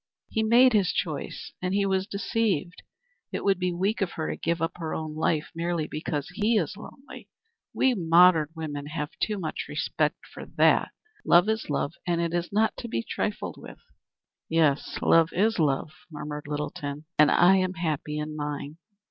"He made his choice and was deceived. It would be weak of her to give up her own life merely because he is lonely. We modern women have too much self respect for that. Love is love, and it is not to be trifled with." "Yes, love is love," murmured Littleton, "and I am happy in mine."